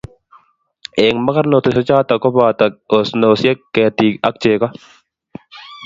eng mogornotosiechoto ko boto osnosiek, ketik ak chego